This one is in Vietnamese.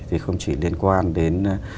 thì không chỉ liên quan đến